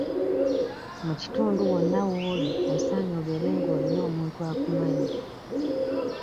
Mu kitundu wonna w'oli osaanye obeere nga olina omuntu akumanyi.